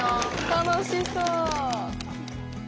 楽しそう。